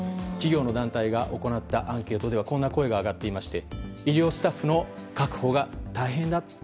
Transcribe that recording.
企業の団体が行ったアンケートではこんな声が上がっていまして医療スタッフの確保が大変だ。